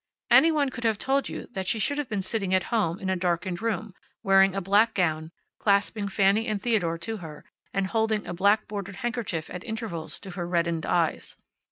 Any one could have told you that she should have been sitting at home in a darkened room, wearing a black gown, clasping Fanny and Theodore to her, and holding a black bordered handkerchief at intervals to her reddened eyes.